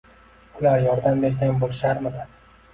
Ular yordam bergan bo`lisharmidi